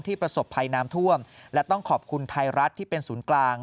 ประสบภัยน้ำท่วมและต้องขอบคุณไทยรัฐที่เป็นศูนย์กลาง